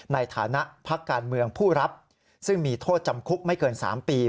ในฐานะพักการเมืองผู้รับซึ่งมีโทษจำคุกไม่เกิน๓ปี